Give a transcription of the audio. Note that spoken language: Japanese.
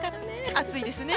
暑いですよね。